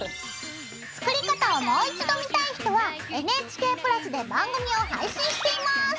作り方をもう一度見たい人はＮＨＫプラスで番組を配信しています！